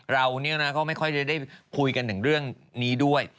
เราก็ไม่ค่อยได้คุยกันถึงเรื่องนี้ด้วย